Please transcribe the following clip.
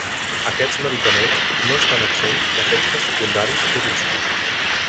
Aquests medicaments no estan exempts d'efectes secundaris i riscos.